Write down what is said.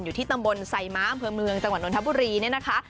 อยู่ที่ตำบลไสม้าเมืองจังหวัดนนท์ธบุรีนี่นะคะ